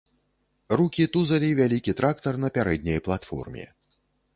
Рукі тузалі вялікі трактар на пярэдняй платформе.